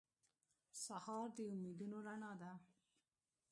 سهار د امیدونو رڼا ده.